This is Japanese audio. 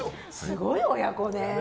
すごい親子ね。